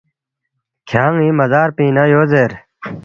کھیان٘ی مزار پِنگ نہ یو زیر